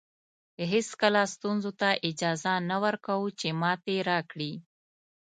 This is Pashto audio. هېڅکله ستونزو ته اجازه نه ورکوو چې ماتې راکړي.